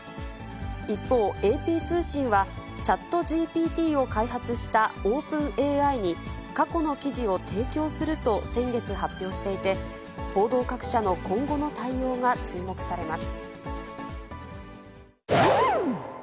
一方、ＡＰ通信は、チャットＧＰＴを開発したオープンＡＩに過去の記事を提供すると先月発表していて、報道各社の今後の対応が注目されます。